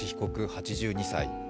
８２歳。